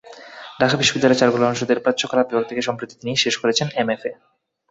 ঢাকা বিশ্ববিদ্যালয়ের চারুকলা অনুষদের প্রাচ্যকলা বিভাগ থেকে সম্প্রতি তিনি শেষ করেছেন এমএফএ।